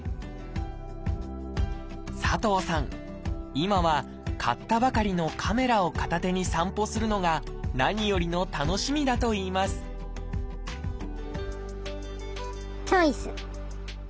今は買ったばかりのカメラを片手に散歩するのが何よりの楽しみだといいますチョイス！